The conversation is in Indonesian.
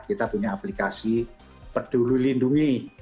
kita punya aplikasi peduli lindungi